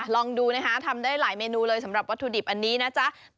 ลองดูนะคะทำได้หลายเมนูเลยสำหรับวัตถุดิบอันนี้นะจ๊ะ